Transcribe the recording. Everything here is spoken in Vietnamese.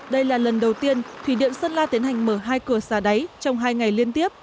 đây là lần đầu tiên thủy điện sơn la tiến hành mở hai cửa xà đáy trong hai ngày liên tiếp